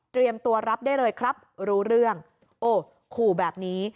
ตัวรับได้เลยครับรู้เรื่องโอ้ขู่แบบนี้